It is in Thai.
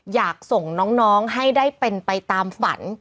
อยากส่งน้องให้ได้เป็นไปตามฝัน